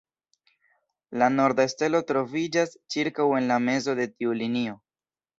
La norda stelo troviĝas ĉirkaŭ en la mezo de tiu linio.